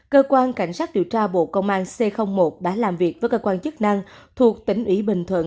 cơ quan cảnh sát điều tra bộ công an c một đã làm việc với cơ quan chức năng thuộc tỉnh ủy bình thuận